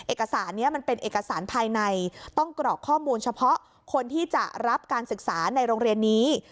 เอกสารนี้มันเป็นเอกสารภายในต้องกรอกข้อมูลเฉพาะคนที่จะรับการศึกษาในโรงเรียนนี้